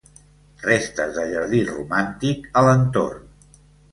Restes de jardí romàntic a l'entorn.